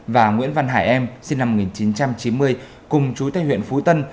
và nguyễn văn hải em sinh năm một nghìn chín trăm chín mươi cùng chú tây huyện phú tân